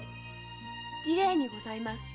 梨麗にございます。